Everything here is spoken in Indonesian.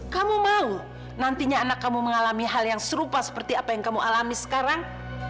kamu mau nantinya anak kamu mengalami hal yang serupa seperti apa yang kamu alami sekarang